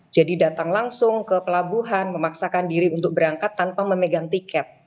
jadi datang langsung ke pelabuhan memaksakan diri untuk berangkat tanpa memegang tiket